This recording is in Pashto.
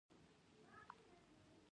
سندره د زړه څخه خدای ته تللې غږ ده